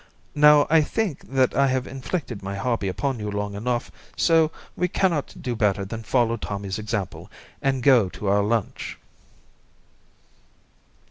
Now, I think that I have inflicted my hobby upon you long enough, so we cannot do better than follow Tommy's example, and go to our lunch."